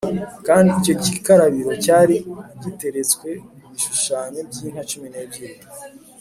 Kandi icyo gikarabiro cyari giteretswe ku bishushanyo by’inka cumi n’ebyiri